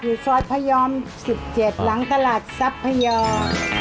หรือซอยพะยอม๑๗หลังตลาดซับพะยอม